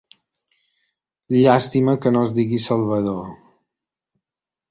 Llàstima que no es digui Salvador!